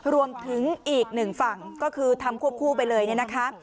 รวมถึงอีกหนึ่งฝั่งก็คือทำควบคู่ไปเลยเนี่ยนะคะ